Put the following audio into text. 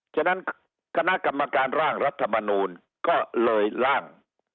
ฉะนั้นคณะกรรมการร่างรัฐมนูลก็เลยล่าง